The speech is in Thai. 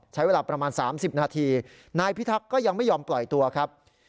ใช้เวลาประมาณ๓๐นาทีนายพิทักษ์ก็ยังไม่ยอมปล่อยตัวครับ